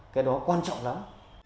cái đó quan trọng lắm